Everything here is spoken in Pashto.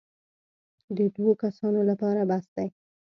د دوو کسانو لپاره بس دی.